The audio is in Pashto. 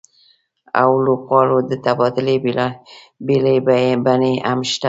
او لوبغاړو د تبادلې بېلابېلې بڼې هم شته